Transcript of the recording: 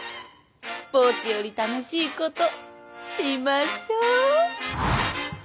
スポーツより楽しいことしましょう！